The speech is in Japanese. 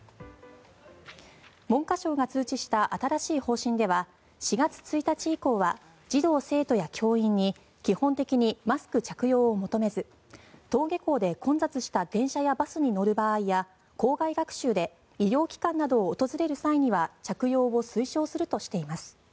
文科省が通知した新しい方針では４月１日以降は児童・生徒や教員に基本的にマスク着用を求めず登下校で混雑した電車やバスに乗る場合や校外学習で医療機関などを訪れる際には着用を推奨するとしています。